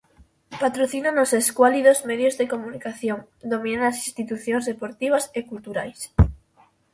Patrocinan os escuálidos medios de comunicación, dominan as institucións deportivas e culturais.